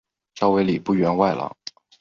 召为礼部员外郎。